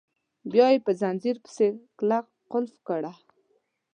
بیا یې په ځنځیر پسې کلک قلف کړه.